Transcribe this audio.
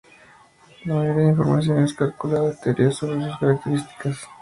La mayoría de la información es calculada o teorías sobre sus características.